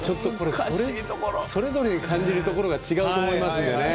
それぞれに感じるところが違うと思いますからね。